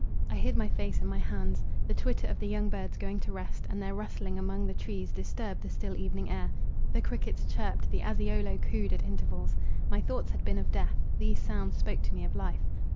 I hid my face in my hands. The twitter of the young birds going to rest, and their rustling among the trees, disturbed the still evening air—the crickets chirped—the aziolo cooed at intervals. My thoughts had been of death—these sounds spoke to me of life.